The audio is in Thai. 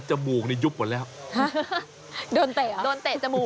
มูกนี่ยุบหมดแล้วโดนเตะเหรอโดนเตะจมูก